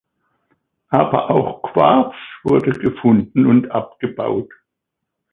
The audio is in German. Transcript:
Aber auch Quarz wurde gefunden und abgebaut.